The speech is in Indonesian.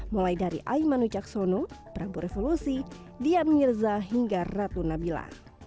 mulai dari aiman wicaksono prabu revolusi dian mirza hingga ratu nabila